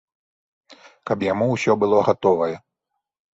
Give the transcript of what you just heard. Каб яму ўсё было гатовае.